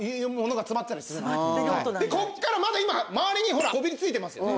こっからまだ今周りにこびり付いてますよね。